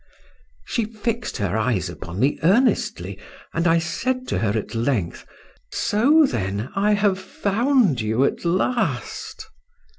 She fixed her eyes upon me earnestly, and I said to her at length: "So, then, I have found you at last."